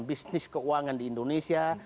bisnis keuangan di indonesia